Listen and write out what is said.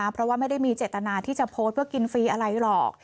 เพราะว่าไม่ได้มีเจตนาที่จะโพสต์ว่ากินฟรีอะไรหรอก